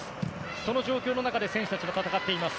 その状況の中で選手たちは戦っています。